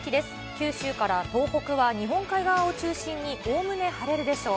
九州から東北は日本海側を中心におおむね晴れるでしょう。